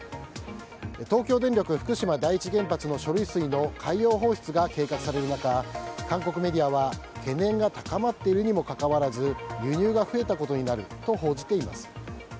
東京電力福島第一原発の処理水の海洋放出が計画される中韓国メディアは、懸念が高まっているにもかかわらず輸入が増えたことになると報じています。